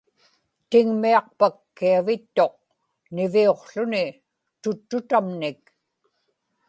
tiŋmiaqpak kiavittuq niviuqłuni tuttutamnik